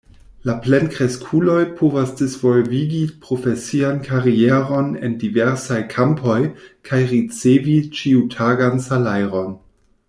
La plenkreskuloj povas disvolvigi profesian karieron en diversaj kampoj kaj ricevi ĉiutagan salajron.